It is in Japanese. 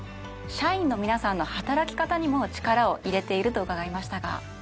社員の皆さんの働き方にも力を入れていると伺いましたが。